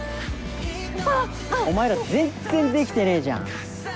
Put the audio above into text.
お前らぜんっぜんできてねえじゃん！